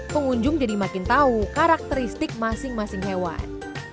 pengunjung jadi makin tahu karakteristik masing masing hewan